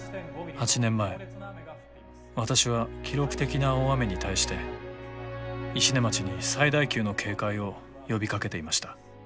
８年前私は記録的な大雨に対して石音町に最大級の警戒を呼びかけていました。